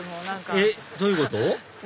えっどういうこと？